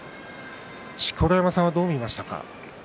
錣山さん、どう見ましたか？